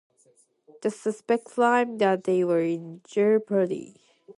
The suspects claimed that they were in jeopardy.